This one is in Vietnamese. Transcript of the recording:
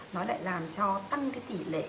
nó lại làm cho tăng cái tỷ lệ